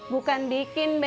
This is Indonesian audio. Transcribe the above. bukan bikin be